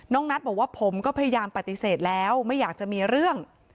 นัทบอกว่าผมก็พยายามปฏิเสธแล้วไม่อยากจะมีเรื่อง